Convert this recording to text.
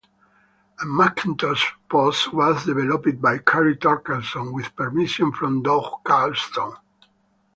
A Macintosh port was developed by Cary Torkelson, with permission from Doug Carlston.